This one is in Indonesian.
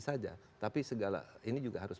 saja tapi segala ini juga harus